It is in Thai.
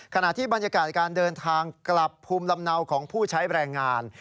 ขณะที่บรรยากาศการเดินทางกลับภูมิลำเนาของผู้ใช้แรงงาน